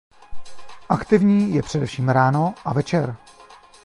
Aktivní je především ráno a večer.